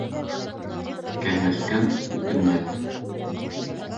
Кәңәшкән үкенмәҫ.